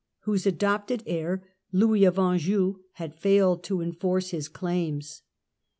whose adopted heir Louis of Anjou had failed to enforce his claims.